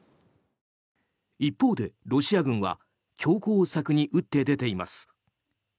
一方で、ロシア軍は強硬策に打って出ています。